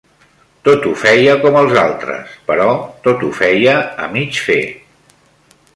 Tot ho feia com els altres, però tot ho feia a mig fer